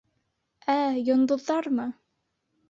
Ә, йондоҙҙармы?